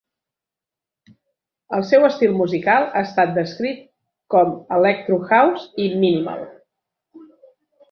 El seu estil musical ha estat descrit com electro house i minimal.